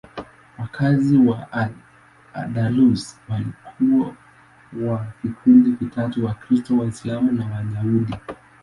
Wakazi wa Al-Andalus walikuwa wa vikundi vitatu: Wakristo, Waislamu na Wayahudi.